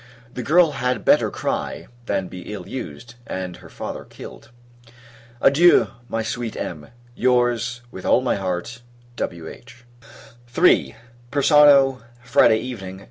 The girl had better cry, than be ill used, and her father killed. Adieu, my sweet Em. Your's, with all my heart, W.H. III. Persano, Friday Evening.